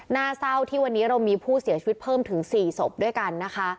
หน้าเศร้าที่วันนี้เรามีผู้เสียชีวิตเพิ่มถึง๔ศพด้วยกันนะคะ